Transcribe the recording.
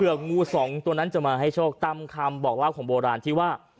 งูสองตัวนั้นจะมาให้โชคตามคำบอกเล่าของโบราณที่ว่า